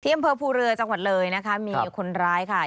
อำเภอภูเรือจังหวัดเลยนะคะมีคนร้ายค่ะ